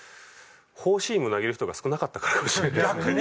フォーシーム投げる人が少なかったからかもしれないですね。